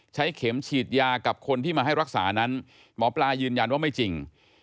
ใช้เข็มฉีดยากับคนที่มาให้รักษานั้นหมอปลายืนยันว่าไม่จริง